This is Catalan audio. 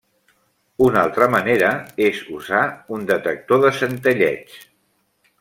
Una altra manera és usar un detector de centelleig.